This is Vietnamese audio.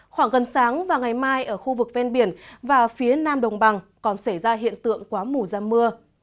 khoảng gần sáng và ngày mai ở khu vực ven biển và phía nam đồng bằng còn xảy ra hiện tượng quá mù ra mưa